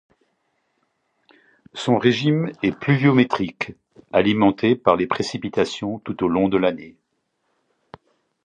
Son régime est pluviométrique, alimenté par les précipitations tout au long de l'année.